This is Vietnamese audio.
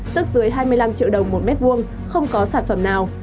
tức dưới hai mươi năm triệu đồng một m hai không có sản phẩm nào